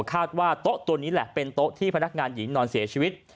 ว่าโต๊ะตัวนี้แหละเป็นโต๊ะที่พนักงานหญิงนอนเสียชีวิต